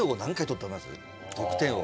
得点王。